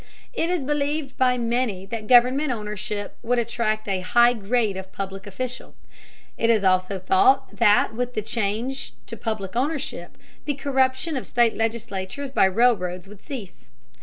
It is believed by many that government ownership would attract a high grade of public official. It is also thought that with the change to public ownership the corruption of state legislatures by railroads would cease.